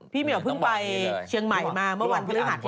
พี่เหมียวเพิ่งไปเชียงใหม่มาเมื่อวันพฤหัสที่ผ่านมา